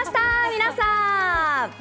皆さん！